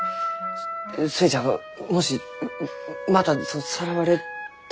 す寿恵ちゃんがもしまたさらわれたり。